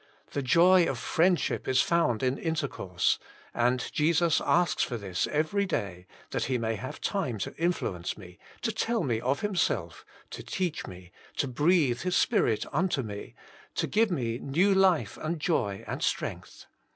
The joy of friendship is found in intercourse ; and Jesus asks for this every day, that he may have time to influence me, to tell me of Himself, to teach me, to breathe His Spirit onto Jesus Himself, 61 me, to give me new life and joy and strength.